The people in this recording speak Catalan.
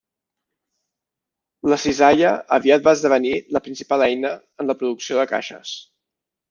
La cisalla aviat va esdevenir la principal eina en la producció de caixes.